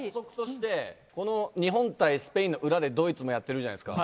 日本対スペインの裏でドイツもやってるじゃないですか。